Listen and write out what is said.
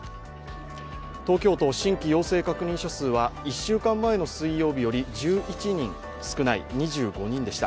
東京都、新規陽性確認者数は１週間前の水曜日より１１人少ない２５人でした。